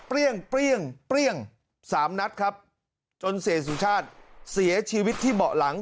เปรี้ยงเปรี้ยงเปรี้ยงสามนัดครับจนเศรษฐุชาติเสียชีวิตที่เหมาะหลัง